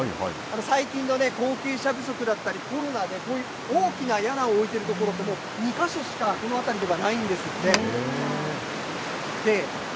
最近の後継者不足だったり、コロナでこういう大きなやなを置いている所は２か所しか、この辺りではないんですって。